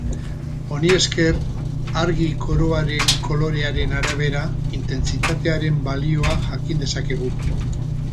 Honi esker, argi-koroaren kolorearen arabera intentsitatearen balioa jakin dezakegu.